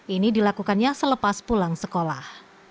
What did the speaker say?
ini dilakukannya selepas pulang sekolah